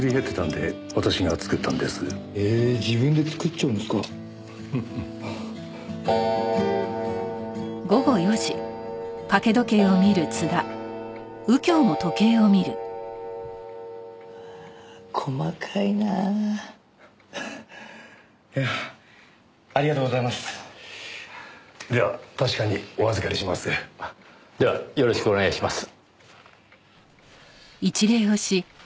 ではよろしくお願いします。